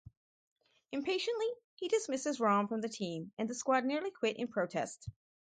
Impatiently, he dismisses Rom from the team, and the squad nearly quit in protest.